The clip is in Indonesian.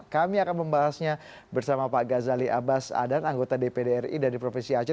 kami akan membahasnya bersama pak gazali abbas adan anggota dpdri dari provinsi aceh